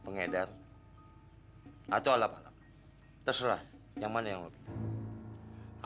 pengedar atau alap alap terserah yang mana yang lo pilih